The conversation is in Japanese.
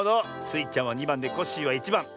スイちゃんは２ばんでコッシーは１ばん。